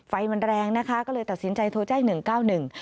ไฟมันแรงนะคะก็เลยตัดสินใจโทรแจ้ง๑๙๑